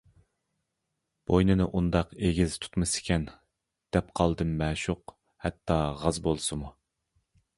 (بوينىنى ئۇنداق ئېگىز تۇتمىسىكەن،- دەپ قالدىم مەشۇق، ھەتتا غاز بولسىمۇ.)